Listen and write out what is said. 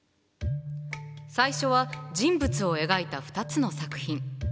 最初は人物を描いた２つの作品。